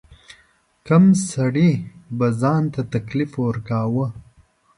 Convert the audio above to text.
کم سړي به ځان ته تکلیف ورکاوه.